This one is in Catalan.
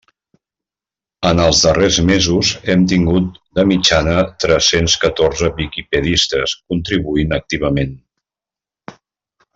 En els darrers mesos hem tingut, de mitjana, tres-cents catorze viquipedistes contribuint activament.